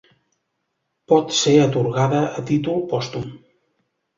Pot ser atorgada a títol pòstum.